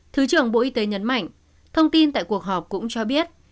thứ trưởng bộ y tế nhấn mạnh thông tin tại cuộc họp cũng cho biết